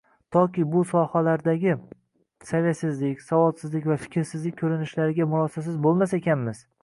Toki bu sohalardagi saviyasizlik, savodsizlik va fikrsizlik ko‘rinishlariga murosasiz bo‘lmas ekanmiz